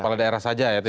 kepala daerah saja ya